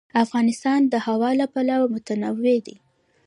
افغانستان د هوا له پلوه متنوع دی.